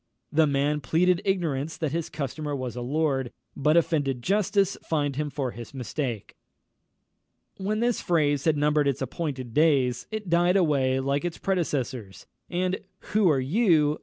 The man pleaded ignorance that his customer was a lord, but offended justice fined him for his mistake. When this phrase had numbered its appointed days, it died away like its predecessors, and "_Who are you?